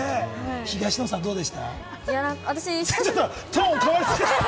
東野さん、どうでした？